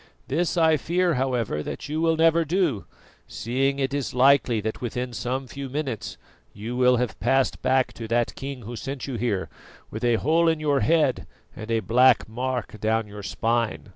This I fear, however, that you will never do, seeing it is likely that within some few minutes you will have passed back to that King who sent you here, with a hole in your head and a black mark down your spine."